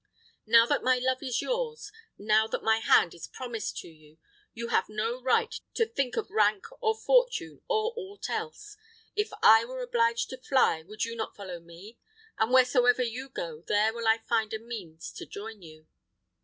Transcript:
Now that my love is yours, now that my hand is promised to you, you have no right to think of rank, or fortune, or aught else. If I were obliged to fly, would you not follow me? and wheresoever you go, there will I find means to join you.